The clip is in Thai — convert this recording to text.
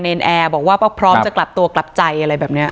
แอร์บอกว่าก็พร้อมจะกลับตัวกลับใจอะไรแบบนี้